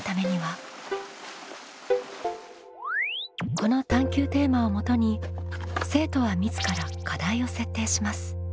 この探究テーマをもとに生徒は自ら課題を設定します。